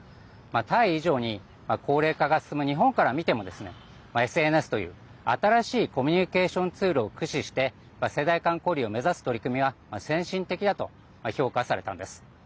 タイ以上に高齢化が進む日本から見てもＳＮＳという、新しいコミュニケーションツールを駆使して世代間交流を目指す取り組みは先進的だと評価されたんです。